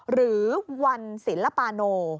หรือวันศิลปาโน